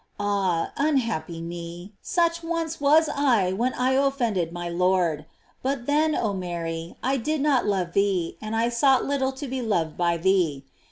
Ah, unhappy me, such once was I when I offend ed my Lord. But then, oh Mary, I did not love thee, and I sought little to be loved by thee.